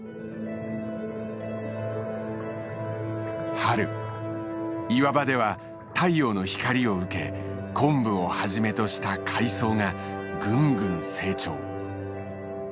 春岩場では太陽の光を受けコンブをはじめとした海藻がぐんぐん成長。